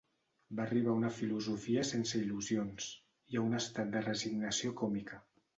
Va arribar a una filosofia sense il·lusions, i a un estat de resignació còmica.